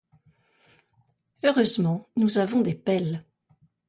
Heureusement, nous avons des pelles.